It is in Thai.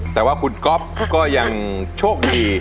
แต่ว่าคุณก๊อฟก็ยังโชคดี